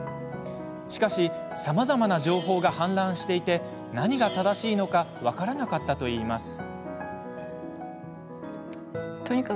しかしさまざまな情報が氾濫していて何が正しいのか分からなかったといいます。